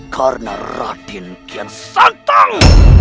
karena radin kian santang